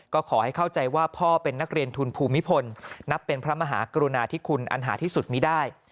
ก็ขอให้เข้าใจว่าพ่อเป็นนักเรียนทุนภูมิพลนับเป็นพระมหากรุณาธิคุณอันหาที่สุดมีได้